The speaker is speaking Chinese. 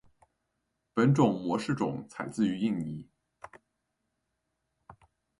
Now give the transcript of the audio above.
本种模式种采自于印尼。